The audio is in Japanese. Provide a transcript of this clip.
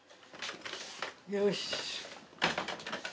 よし。